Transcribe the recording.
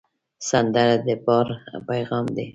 سندره د یار پیغام دی